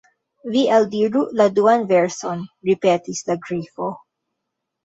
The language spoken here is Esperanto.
"Vi eldiru la duan verson," ripetis la Grifo.